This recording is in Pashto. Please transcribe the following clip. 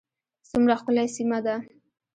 څومره ښکلې سیمه ده